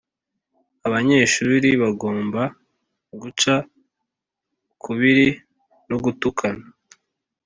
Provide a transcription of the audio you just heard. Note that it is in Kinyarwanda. abanyeshuri bagomba guca ukubiri no gutukana (